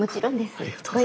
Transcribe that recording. ありがとうございます。